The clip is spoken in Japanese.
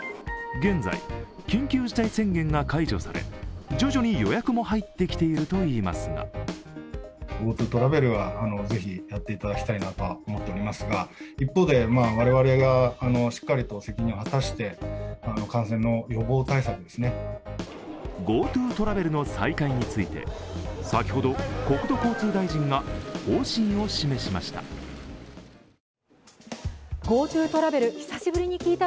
現在、緊急事態宣言が解除され徐々に予約も入ってきているといいますがＧｏＴｏトラベルの再開について先ほど、国土交通大臣が方針を示しました。